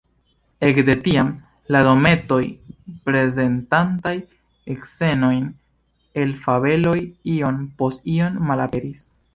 Ekde tiam, la dometoj prezentantaj scenojn el fabeloj iom post iom malaperis.